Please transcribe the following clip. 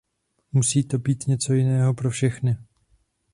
Musí to být něco jiného pro všechny.